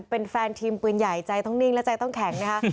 เป็นแฟนทีมปืนใหญ่ใจต้องนิ่งและใจต้องแข็งนะคะ